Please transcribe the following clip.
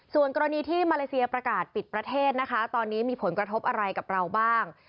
ส่วนกรณีที่มาเลเซียประกาศปิดประเทศนะคะตอนนี้มีผลกระทบอะไรกับเราบ้าง